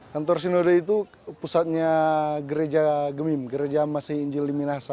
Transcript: kantor sinode itu pusatnya gereja gemim gereja masai injil liminasa